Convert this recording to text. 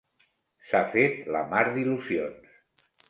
S'ha fet la mar d'il·lusions.